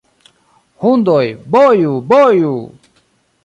Hundoj, boju, boju!